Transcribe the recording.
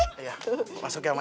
iya masuk ya mak